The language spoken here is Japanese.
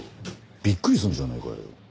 びっくりするじゃねえかよ。